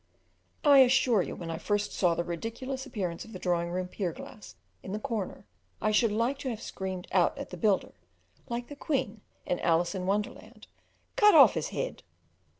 I assure you, when I first saw the ridiculous appearance of the drawing room pier glass in the corner, I should liked to have screamed out at the builder (like the Queen in "Alice in Wonderland"), "Cut off his head!"